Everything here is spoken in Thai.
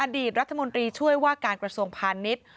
ดีตรัฐมนตรีช่วยว่าการกระทรวงพาณิชย์